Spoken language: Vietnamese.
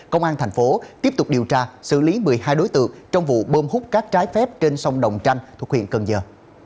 công an thành phố tiếp tục điều tra xử lý một mươi hai đối tượng trong vụ bơm hút cát trái phép trên sông đồng tranh thuộc huyện cần giờ